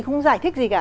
không giải thích gì cả